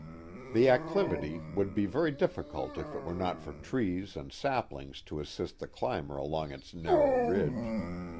The acclivity would be very difficult if it were not for trees and saplings to assist the climber along its narrow ridge.